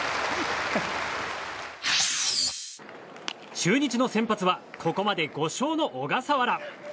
中日の先発はここまで５勝の小笠原。